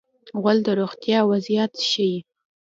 غول د روغتیا وضعیت ښيي.